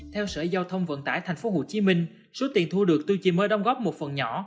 theo sở giao thông vận tải tp hcm số tiền thu được tôi chỉ mới đóng góp một phần nhỏ